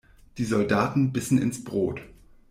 Die Soldaten bissen ins Brot.